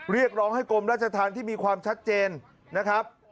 เรียกร้องให้กรมราชธรรมที่มีความชัดเจนนะครับ